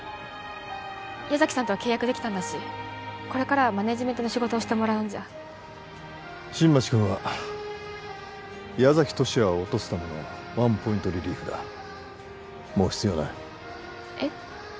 矢崎さんとは契約できたんだしこれからはマネジメントの仕事をしてもらうんじゃ新町くんは矢崎十志也を落とすためのワンポイントリリーフだもう必要ないえっ？